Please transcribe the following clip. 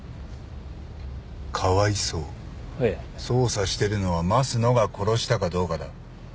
ええ。捜査してるのは益野が殺したかどうかだ。